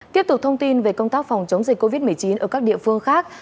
tiếp tục thông tin về công tác phòng chống dịch covid một mươi chín ở các địa phương khác